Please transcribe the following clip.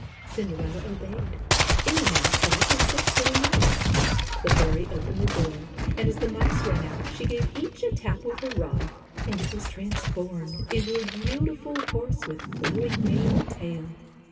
Cinderella obeyed. In the mouse trap were six little mice. The fairy opened the door and as the mice ran out, she give each a tap with her rod, and it was transformed into a beautiful horse with 26 flowing mane and tail.